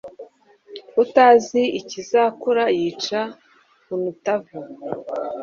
utazi ikizakura yica unutavu